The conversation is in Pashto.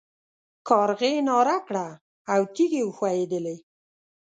کارغې ناره کړه او تيږې وښوېدلې.